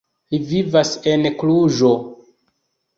Li vivas en Kluĵo.